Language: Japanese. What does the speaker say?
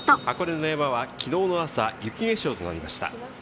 箱根の山はきのうの朝、雪化粧となりました。